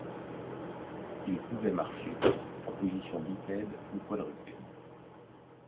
Il pouvait marcher en position bipède ou quadrupède.